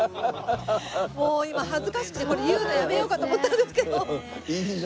もう今恥ずかしくてこれ言うのやめようかと思ったんですけど。